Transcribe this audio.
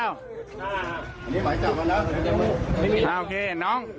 อันนี้ไหมย์จับมันนะ